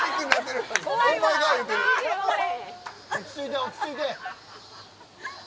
落ち着いて、落ち着いて。